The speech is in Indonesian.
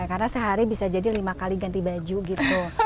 karena sehari bisa jadi lima kali ganti baju gitu